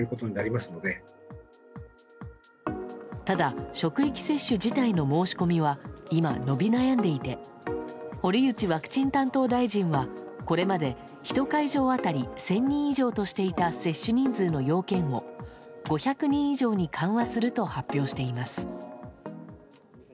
ただ職域接種自体の申し込みは今、伸び悩んでいて堀内ワクチン担当大臣はこれまで１会場当たり１０００人以上としていた接種人数の要件を５００人以上に緩和すると発表しています。